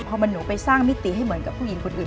พอหนูไปสร้างมิติให้เหมือนกับผู้หญิงคนอื่น